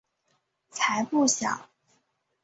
才不小！